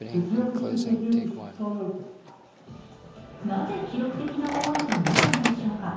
なぜ記録的な大雨となったのでしょうか？